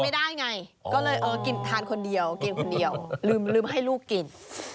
เพราะลูกทานไม่ได้ไงก็เลยทานคนเดียวลืมให้ลูกกิน